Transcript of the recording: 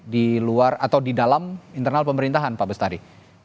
di luar atau di dalam internal pemerintahan pak bestari